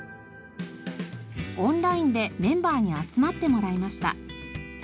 オンラインでメンバーに集まってもらいました。